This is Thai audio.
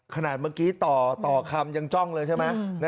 เมื่อกี้ต่อคำยังจ้องเลยใช่ไหม